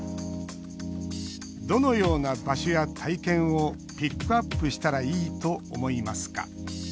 「どのような場所や体験をピックアップしたらいいと思いますか？」